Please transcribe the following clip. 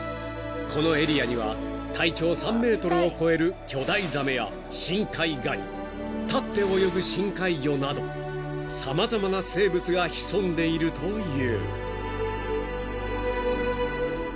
このエリアには体長３ｍを超える巨大ザメや深海ガニ立って泳ぐ深海魚など様々な生物が潜んでいるという］